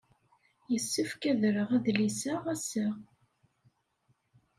Yessefk ad rreɣ adlis-a ass-a.